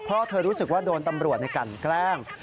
เพราะเธอรู้สึกว่าโดนตำรวจในกันแกล้ง